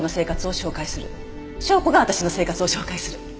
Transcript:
紹子が私の生活を紹介する。